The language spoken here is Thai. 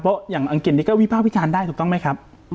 เพราะอย่างอังกฤษนี้ก็วิภาควิจารณ์ได้ถูกต้องไหมครับ